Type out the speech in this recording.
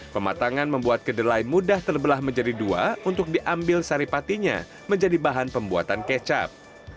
pematangan membuat kedelai mudah terbelah menjadi dua untuk diambil saripatinya menjadi bahan pembuatan kecap